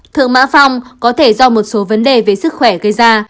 thượng mã phong có thể do một số vấn đề về sức khỏe gây ra